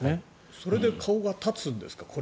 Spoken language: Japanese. それで顔が立つんですか。